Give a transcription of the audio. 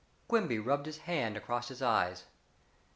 Quimby rubbed his hand across his eyes.